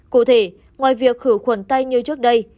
cụ thể ngoài việc khử khuẩn tay như trước đây